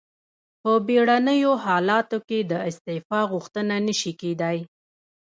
په بیړنیو حالاتو کې د استعفا غوښتنه نشي کیدای.